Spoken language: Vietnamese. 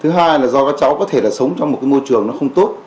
thứ hai là do các cháu có thể là sống trong một cái môi trường nó không tốt